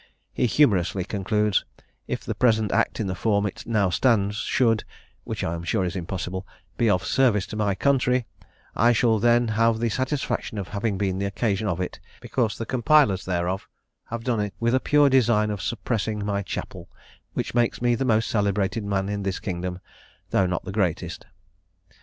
He humorously concludes, "If the present Act in the form it now stands should (which I am sure is impossible) be of service to my country, I shall then have the satisfaction of having been the occasion of it, because the compilers thereof have done it with a pure design of suppressing my Chapel, which makes me the most celebrated man in this kingdom, though not the greatest."